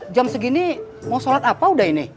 jam segini mau sholat apa udah ini